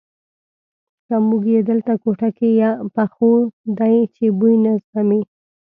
که موږ یې دلته کوټه کې پخو دی یې بوی نه زغمي.